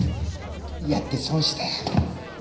やって損したよ。